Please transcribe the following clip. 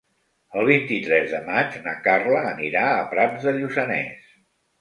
El vint-i-tres de maig na Carla anirà a Prats de Lluçanès.